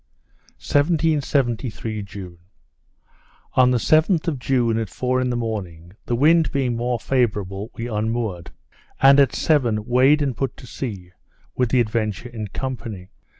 _ 1773 June On the 7th of June, at four in the morning, the wind being more favourable, we unmoored, and at seven weighed and put to sea, with the Adventure in company.